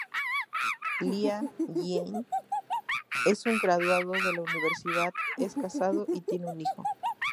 Liu Jian es un graduado de la universidad, es casado y tiene un hijo.